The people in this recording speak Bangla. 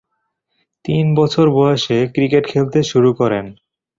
তিন বছর বয়সে ক্রিকেট খেলতে শুরু করেন।